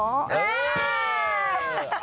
เย้